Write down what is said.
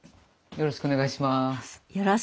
よろしくお願いします。